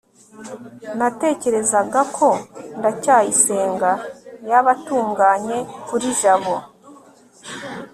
natekerezaga ko ndacyayisenga yaba atunganye kuri jabo